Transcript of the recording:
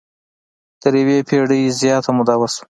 تر یوې پېړۍ زیاته موده وشوه.